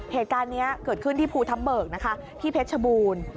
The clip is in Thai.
เหตุการณ์นี้เกิดขึ้นที่ภูทับเบิกนะคะที่เพชรชบูรณ์